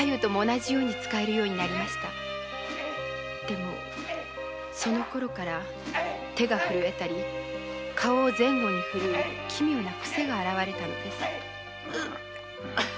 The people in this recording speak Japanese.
でもそのころから手が震えたり顔を前後に振る奇妙なクセが現れたのです。